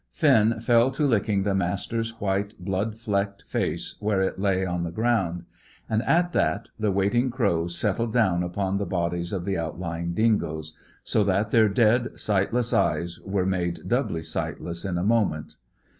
Finn fell to licking the Master's white, blood flecked face where it lay on the ground. And at that, the waiting crows settled down upon the bodies of the outlying dingoes; so that their dead, sightless eyes were made doubly sightless in a moment.